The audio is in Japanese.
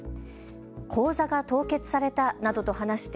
口座が凍結されたなどと話して